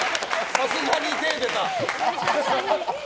さすがに手出た。